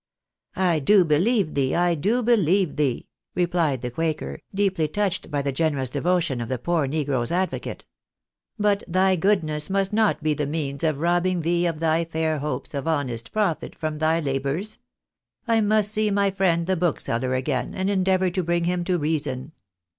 " I do believe thee, I do believe thee," replied the quaker, deeply touched by the generous devotion of the poor negro's advocate. " But thy goodness must not be the means of robbing thee of thy fair hopes of honest profit from thy labours. I must see my friend the bookseller again, and endeavour to bring him to reason."